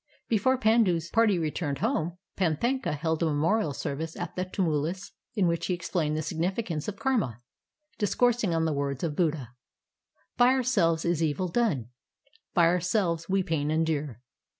Before Pandu's party returned home, Panthaka held a memorial service at the tumulus in which he explained the significance of karma, discoursing on the words of Buddha: — "By ourselves is evil done, By ourselves we pain endure.